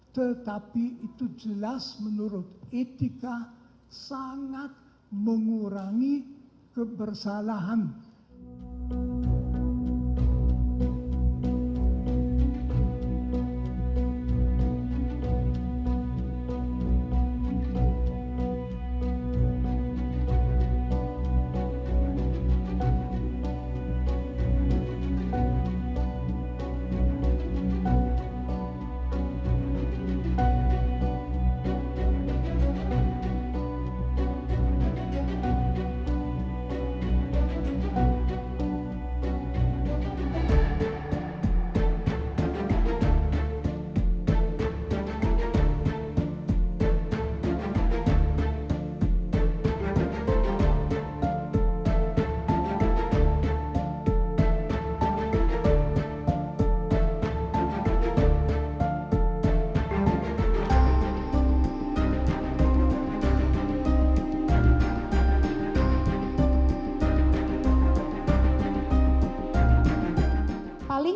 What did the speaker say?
tetapi itu jelas menurut etika sangat mengurangi kebersalahan